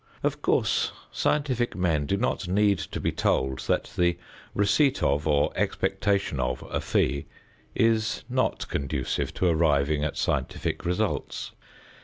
Of course scientific men do not need to be told that the receipt of or expectation of a fee is not conducive to arriving at scientific results.